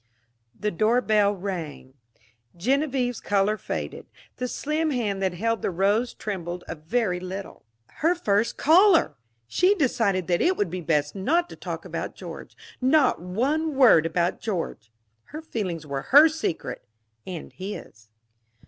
The doorbell rang. Genevieve's color faded. The slim hand that held the rose trembled a very little. Her first caller! She decided that it would be best not to talk about George. Not one word about George! Her feelings were her secret and his.